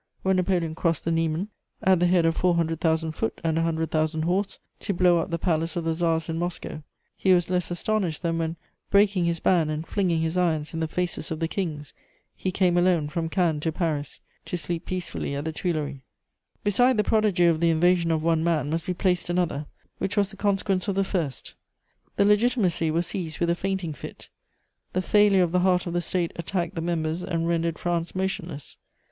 When Napoleon crossed the Niemen, at the head of four hundred thousand foot and a hundred thousand horse, to blow up the palace of the Tsars in Moscow, he was less astonished than when, breaking his ban and flinging his irons in the faces of the kings, he came alone, from Cannes to Paris, to sleep peacefully at the Tuileries. Beside the prodigy of the invasion of one man must be placed another which was the consequence of the first: the Legitimacy was seized with a fainting fit; the failure of the heart of the State attacked the members and rendered France motionless.